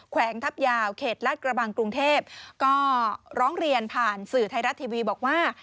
แขวงทัพยาวเขตรัฐกระบังกรุงเทพก็ร้องเรียนผ่านสื่อไทยรัฐทีวีบอกว่า